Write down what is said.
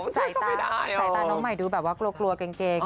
ใส่ตาน้องใหม่ดูแบบว่ากลัวเกรง